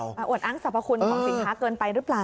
อวดอ้างสรรพคุณของสินค้าเกินไปหรือเปล่า